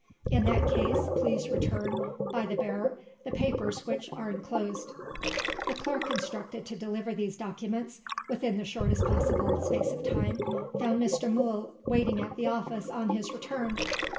In that case please return, by the bearer, the papers which are enclosed." The clerk instructed to deliver these documents, within the shortest possible space of time, found Mr. Mool waiting at the office, on his return.